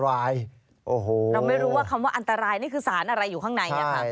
เราไม่รู้ว่าคำว่าอันตรายนี่คือสารอะไรอยู่ข้างในค่ะ